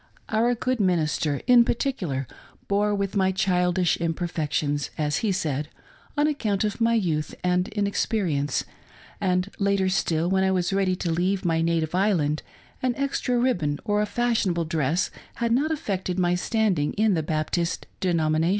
Our good minister in'particular bore with my childish imperfections, as he said, on account of my youth and inexperience ; and later still, when I was ready to leave my native island, an extra ribbon or a fashionable dress had not affected my standing in the Baptist denomination.